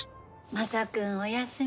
マサ君おやすみ。